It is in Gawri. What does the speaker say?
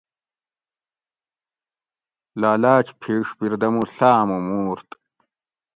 لالاۤچ پھیڛ بِردمُو ڷامُو مُورت